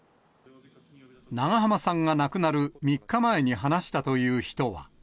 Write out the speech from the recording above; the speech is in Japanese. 長濱さんが亡くなる３日前に話したという人は。